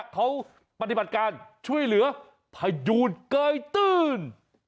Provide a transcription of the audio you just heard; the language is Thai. เขาปฏิบัติการช่วยเหลือพยูนเกยตื้น